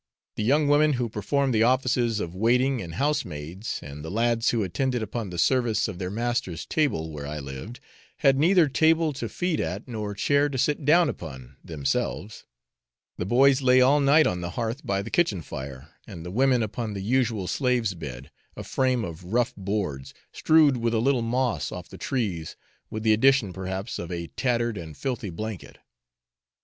The young women who performed the offices of waiting and housemaids, and the lads who attended upon the service of their master's table where I lived, had neither table to feed at nor chair to sit down upon themselves; the 'boys' lay all night on the hearth by the kitchen fire, and the women upon the usual slave's bed a frame of rough boards, strewed with a little moss off the trees, with the addition perhaps of a tattered and filthy blanket.